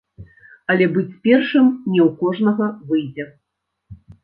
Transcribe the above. Але быць першым не ў кожнага выйдзе.